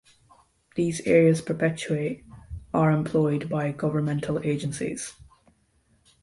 These areas perpetuate are employed by governmental agencies.